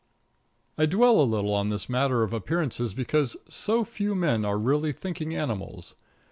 I dwell a little on this matter of appearances because so few men are really thinking animals.